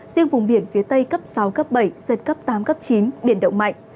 riêng vùng biển phía tây cấp sáu cấp bảy giật cấp tám cấp chín biển động mạnh